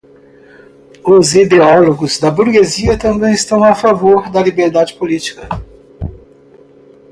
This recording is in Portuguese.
os ideólogos da burguesia também estão a favor da liberdade política